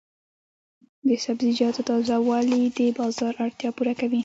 د سبزیجاتو تازه والي د بازار اړتیا پوره کوي.